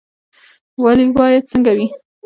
والي باید څنګه وي؟